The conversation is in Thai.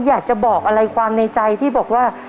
อยากจะบอกอะไรความในใจที่บอกว่า